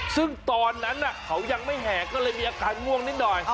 ซึ่งตอนนั้นเขายังไม่แห่ก็เลยมีอาการง่วงนิดหน่อย